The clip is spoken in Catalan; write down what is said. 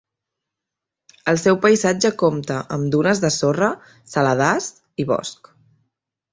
El seu paisatge compta amb dunes de sorra, saladars i bosc.